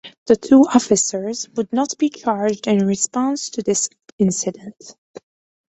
The two officers would not be charged in response to this incident.